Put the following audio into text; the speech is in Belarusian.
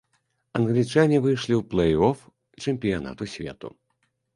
Англічане выйшлі ў плэй-оф чэмпіянату свету.